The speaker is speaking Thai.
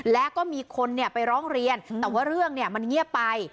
และก็มีคนไปร้องเรียนแต่ว่าเรื่องมันเงียบไป